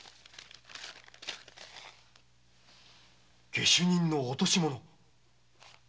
「下手人の落とし物」？